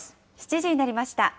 ７時になりました。